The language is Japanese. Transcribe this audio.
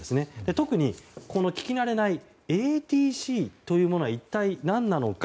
特に聞きなれないＡＴＣというものは一体何なのか。